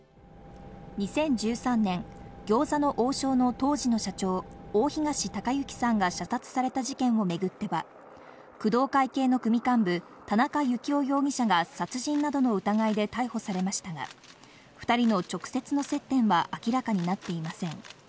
２０１３年、餃子の王将の当時の社長・大東隆行さんが射殺された事件をめぐっては、工藤会系の組幹部、田中幸雄容疑者が殺人などの疑いで逮捕されましたが、２人の直接の接点は明らかになっていません。